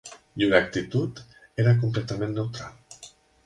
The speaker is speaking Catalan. Llur actitud era completament neutral